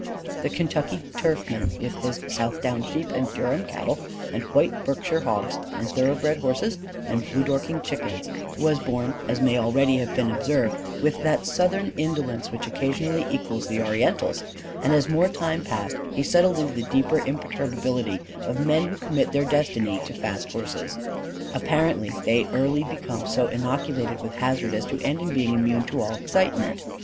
The Kentucky turfman, with his Southdown sheep and Durham cattle and White Berkshire hogs and thoroughbred horses and Blue dorking chickens, was born, as may already have been observed, with that Southern indolence which occasionally equals the Oriental's; and as more time passed he settled into the deeper imperturbability of men who commit their destiny to fast horses. Apparently they early become so inoculated with hazard as to end in being immune to all excitement.